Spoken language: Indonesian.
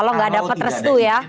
kalau nggak ada petres itu ya